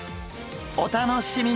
お楽しみに！